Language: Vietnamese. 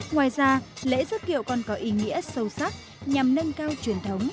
ngoài ra lễ dức kiệu còn có ý nghĩa sâu sắc nhằm nâng cao truyền thống